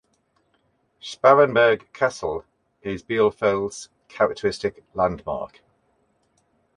Sparrenburg Castle is Bielefeld's characteristic landmark.